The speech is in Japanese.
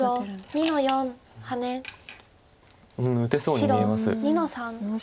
白２の三。